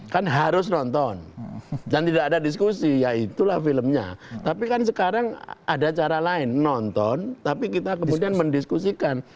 kan harus nonton dan tidak ada diskusi ya itulah filmnya tapi kan sekarang ada cara lain nonton tapi kita kemudian mendiskusikan